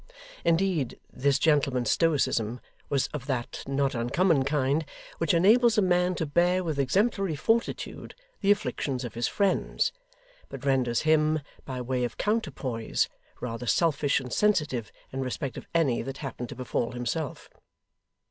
Indeed this gentleman's stoicism was of that not uncommon kind, which enables a man to bear with exemplary fortitude the afflictions of his friends, but renders him, by way of counterpoise, rather selfish and sensitive in respect of any that happen to befall himself.